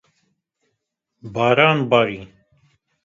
Baran barî